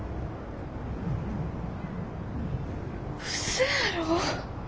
うそやろ。